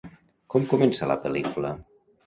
Com comença la pel·lícula?